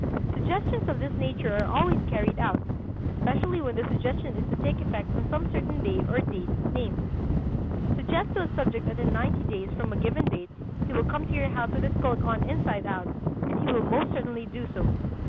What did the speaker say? Suggestions of this nature are always carried out, especially when the suggestion is to take effect on some certain day or date named. Suggest to a subject that in ninety days from a given date he will come to your house with his coat on inside out, and he will most certainly do so."